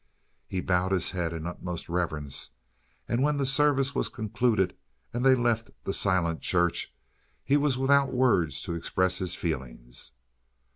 He bowed his head in utmost reverence, and when the service was concluded and they left the silent church he was without words to express his feelings.